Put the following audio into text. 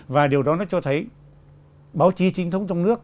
và điều đó nó cho thấy báo chí trinh thống trong nước